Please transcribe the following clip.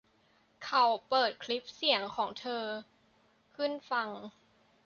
เขาเปิดคลิปเสียงของเธอขึ้นฟัง